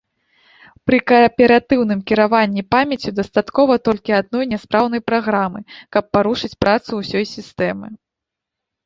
Пры кааператыўным кіраванні памяццю дастаткова толькі адной няспраўнай праграмы, каб парушыць працу ўсёй сістэмы.